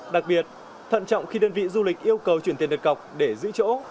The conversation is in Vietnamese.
đặc biệt thận trọng khi đơn vị du lịch yêu cầu chuyển tiền đặt cọc để giữ chỗ